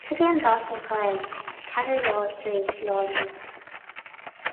Cad é an dáta atá ann ceathair lá tar éis Lá Nollag?